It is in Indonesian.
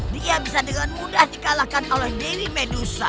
dia bisa dengan mudah dikalahkan oleh dewi medusa